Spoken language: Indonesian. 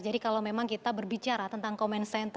jadi kalau memang kita berbicara tentang comment center